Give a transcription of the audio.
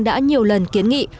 đã nhiều lần kiến nghị